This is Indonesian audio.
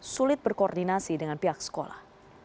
sulit berkoordinasi dengan pihak sekolah